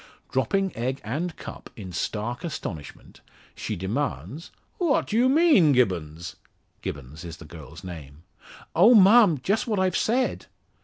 Dropping egg and cup, in stark astonishment, she demands: "What do you mean, Gibbons?" Gibbons is the girl's name. "Oh, ma'am! Just what I've said."